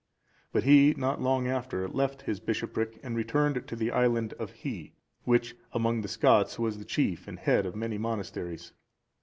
But he, not long after, left his bishopric, and returned to the island of Hii,(411) which, among the Scots, was the chief and head of many monasteries.